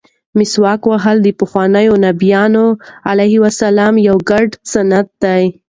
مسواک وهل د پخوانیو انبیاوو علیهم السلام یو ګډ سنت دی.